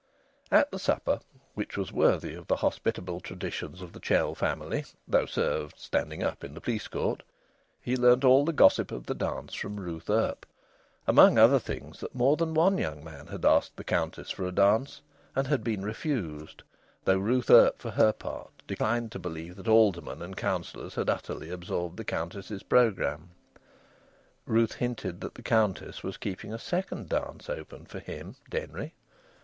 At the supper, which was worthy of the hospitable traditions of the Chell family (though served standing up in the police court), he learnt all the gossip of the dance from Ruth Earp; amongst other things that more than one young man had asked the Countess for a dance, and had been refused, though Ruth Earp for her part declined to believe that aldermen and councillors had utterly absorbed the Countess's programme. Ruth hinted that the Countess was keeping a second dance open for him, Denry.